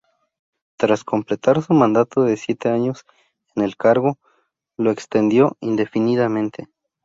Tras completar su mandato de siete años en el cargo, lo extendió indefinidamente.